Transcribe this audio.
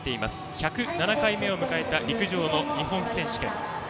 １０７回目を迎えた陸上の日本選手権。